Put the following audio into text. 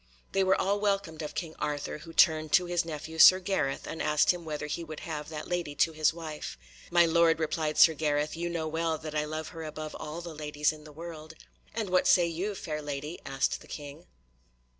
They were all welcomed of King Arthur, who turned to his nephew Sir Gareth and asked him whether he would have that lady to his wife. "My lord," replied Sir Gareth, "you know well that I love her above all the ladies in the world." "And what say you, fair lady?" asked the King.